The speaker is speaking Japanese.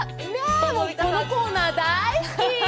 このコーナー、大好き！